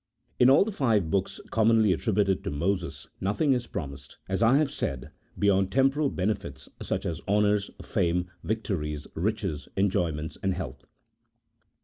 In all the five books commonly attributed to Moses nothing is promised, as I have said, beyond temporal benefits, such as honours, fame, victories, riches, enjoyments, and health.